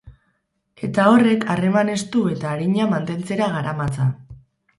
Eta horrek harreman estu eta arina mantentzera garamatza.